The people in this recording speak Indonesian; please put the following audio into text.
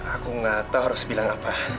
aku gak tau harus bilang apa